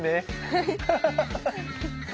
はい。